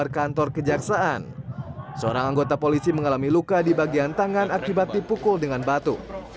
kota polisi mengalami luka di bagian tangan akibat dipukul dengan batu